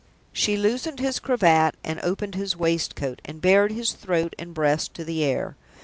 She loosened his cravat and opened his waistcoat, and bared his throat and breast to the air.